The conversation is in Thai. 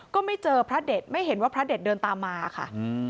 ก็ไม่เจอพระเด็ดไม่เห็นว่าพระเด็ดเดินตามมาค่ะ